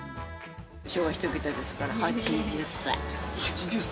昭和１桁ですから、８０歳。